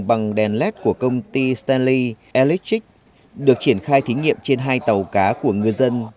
bằng đèn led của công ty stanley electrix được triển khai thí nghiệm trên hai tàu cá của ngư dân